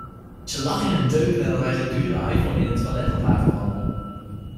Ze lag in een deuk nadat hij zijn dure iPhone in het toilet had laten vallen.